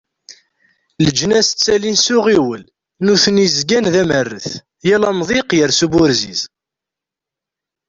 Leǧnas ttalin s uɣiwel, nutni zgan d amerret, yal amḍiq yers uburziz.